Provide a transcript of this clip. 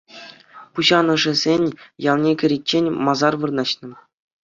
Пуҫанӑшӗсен ялне кӗриччен масар вырнаҫнӑ.